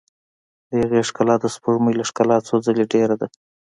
د هغې ښکلا د سپوږمۍ له ښکلا څخه څو ځلې ډېره ده.